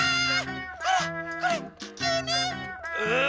あらこれききゅうね！うん！